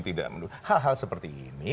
tidak menuduh hal hal seperti ini